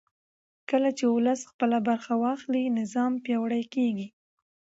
کله چې ولس خپله برخه واخلي نظام پیاوړی کېږي